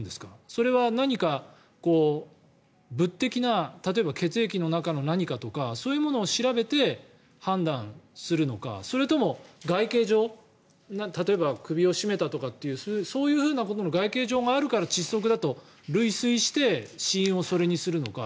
それは何か物的な例えば血液の中の何かとかそういうものを調べて判断するのかそれとも、外見上例えば首を絞めたとかっていうそういうふうなことの外形上があるから窒息だと類推して死因をそれにするのか